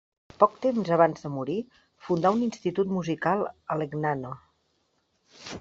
Poc temps abans de morir, fundà un institut musical a Legnano.